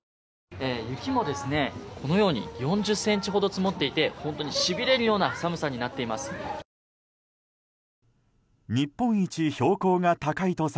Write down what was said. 雪も４０ｃｍほど積もっていて本当にしびれるような寒さになっています。